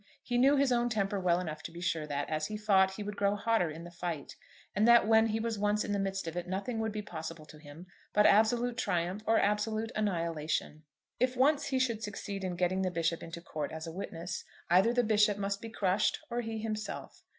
He knew his own temper well enough to be sure that, as he fought, he would grow hotter in the fight, and that when he was once in the midst of it nothing would be possible to him but absolute triumph or absolute annihilation. If once he should succeed in getting the Bishop into court as a witness, either the Bishop must be crushed or he himself.